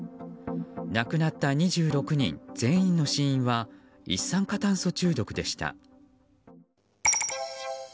亡くなった２６人全員の死因は一酸化炭素中毒でした。